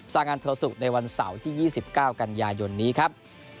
สางันเทอร์สุในวันเสาร์ที่ยี่สิบเก้ากันยายนี้ครับ